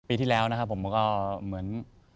ปีที่แล้วนะครับผมก็เหมือน